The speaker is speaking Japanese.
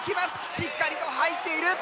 しっかりと入っている！